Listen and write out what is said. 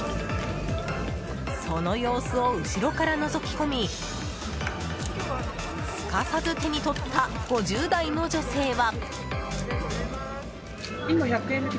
その様子を後ろからのぞき込みすかさず手に取った５０代の女性は。